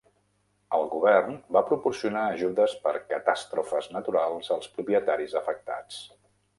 El govern va proporcionar ajudes per catàstrofes naturals als propietaris afectats.